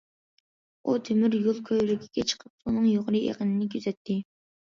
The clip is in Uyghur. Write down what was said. ئۇ تۆمۈريول كۆۋرۈكىگە چىقىپ سۇنىڭ يۇقىرى ئېقىنىنى كۆزەتتى.